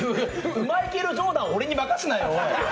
ウマイケル・ジョーダンを俺に任すなよ。